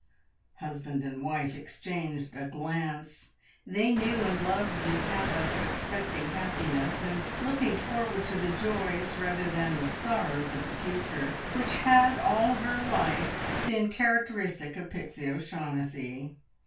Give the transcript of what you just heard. Husband and wife exchanged a glance. They knew and loved this habit of expecting happiness, and looking forward to the joys rather than the sorrows of the future, which had all her life, been characteristic of Pixie O'Shaughnessy.